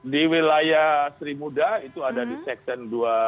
di wilayah sri muda itu ada di seksen dua puluh dua